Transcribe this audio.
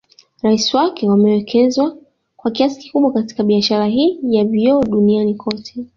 Raia wake wamewekeza kwa kiasi kikubwa katika Biasahara hii ya vioo Dunniani kote